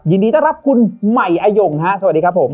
ยินดีต้อนรับคุณใหม่อายงฮะสวัสดีครับผม